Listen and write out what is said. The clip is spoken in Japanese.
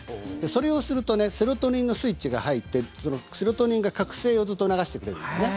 それをするとセロトニンのスイッチが入ってセロトニンが覚醒をずっと促してくれるんですね。